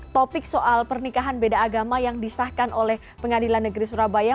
topik soal pernikahan beda agama yang disahkan oleh pengadilan negeri surabaya